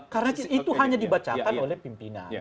karena itu hanya dibacakan oleh pimpinan